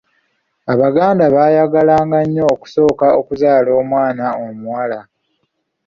Abaganda baayagalanga nnyo okusooka okuzaala omwana omuwala.